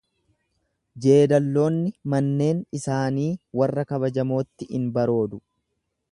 Jeedalloonni manneen isaanii warra kabajamootti in baroodu.